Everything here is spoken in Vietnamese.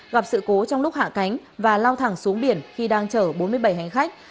gặp sự cố trong lúc hạ cánh và lao thẳng xuống biển khi đang chở bốn mươi bảy hành khách